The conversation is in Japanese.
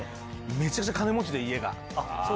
めちゃくちゃ金持ちで、家が。